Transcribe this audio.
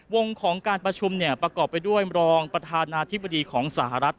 ของการประชุมเนี่ยประกอบไปด้วยรองประธานาธิบดีของสหรัฐ